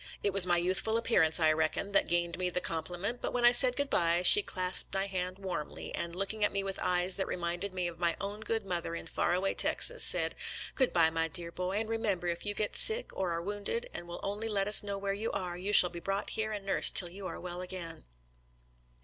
It was my youthful appearance, I reckon, that gained me the com pliment, but when I said good by, she clasped my hand warmly, and, looking at me with eyes that reminded me of my own good mother in far away Texas, said, " Good by, my dear boy, and remember if you get sick or are wounded, and will only let us know where you are, you shall be brought here and nursed until you are well again."